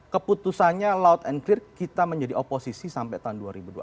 keputusannya loud and clear kita menjadi oposisi sampai tahun dua ribu dua puluh empat